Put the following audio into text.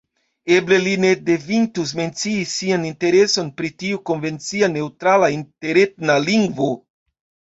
Eble li ne devintus mencii sian intereson pri tiu konvencia neŭtrala interetna lingvo.